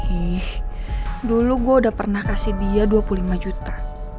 hih dulu gue udah pernah kasih dia dua puluh lima juta